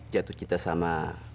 jatuh cinta sama